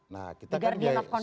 nah kita kan